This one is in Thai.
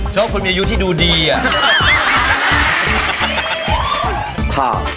ชอบคนมีอายุที่ดูดีอ่ะ